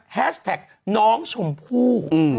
แฮชแท็กน้องชมพู่